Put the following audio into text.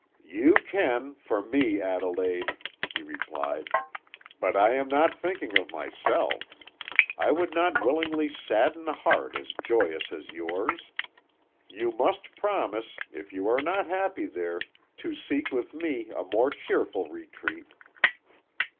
"You can, for me, Adelaide," he replied; "but I am not thinking of myself. I would not willingly sadden a heart as joyous as yours. You must promise, if you are not happy there, to seek with me a more cheerful retreat."